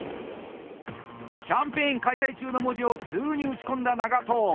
「キャンペーン開催中！」の文字をすぐに打ち込んだ長渡。